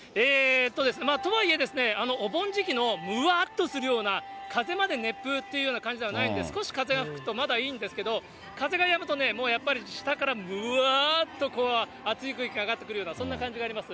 とはいえ、お盆時期のむわっとするような、風まで熱風っていう感じではないんで、少し風が吹くとまだいいんですけど、風がやむとね、もうやっぱり下から、むわーっと、熱い空気が上がってくるような、そんな感じがあります。